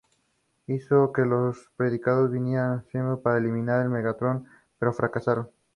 Stella es miembro de la Royal British Legion.